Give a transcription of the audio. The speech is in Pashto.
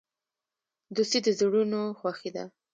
دوستي د زړونو خوښي ده.